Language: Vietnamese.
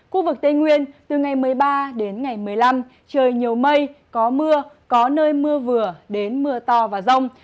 khu vực tây nguyên từ ngày một mươi ba đến ngày một mươi năm trời nhiều mây có mưa có nơi mưa vừa đến mưa to và rông